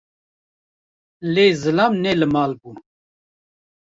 Lê zilam ne li mal bû